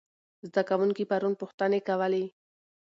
زده کوونکي پرون پوښتنې کولې.